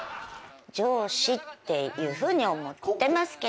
上司っていうふうに思ってますけど。